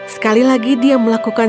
sekali lagi dia melakukan